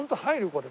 これ。